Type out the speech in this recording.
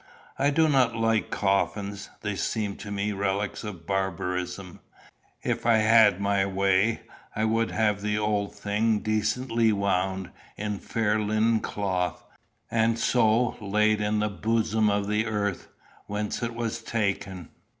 I do not like coffins. They seem to me relics of barbarism. If I had my way, I would have the old thing decently wound in a fair linen cloth, and so laid in the bosom of the earth, whence it was taken.